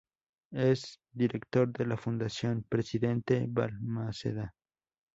Es director de la Fundación Presidente Balmaceda.